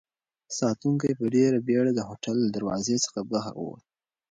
ساتونکی په ډېرې بېړه د هوټل له دروازې څخه بهر ووت.